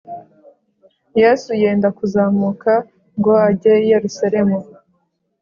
Yesu yenda kuzamuka ngo ajye i Yerusalemu